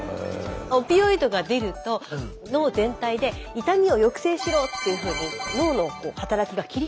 オピオイドが出ると脳全体で痛みを抑制しろっていうふうに脳の働きが切り替わる。